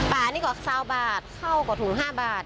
ปลานี่ก็๓บาทเข้ากับถุง๕บาท